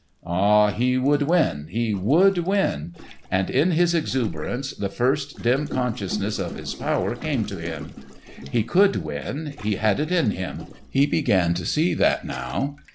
Ah, he would win, he would win! And in his exuberance, the first dim consciousness of his power came to him. He could win, he had it in him; he began to see that now.